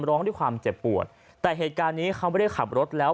ร้องด้วยความเจ็บปวดแต่เหตุการณ์นี้เขาไม่ได้ขับรถแล้ว